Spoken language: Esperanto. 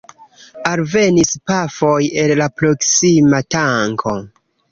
Alvenis pafoj el la proksima tanko.